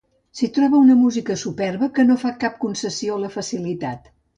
S'hi troba una música superba que no fa cap concessió a la facilitat.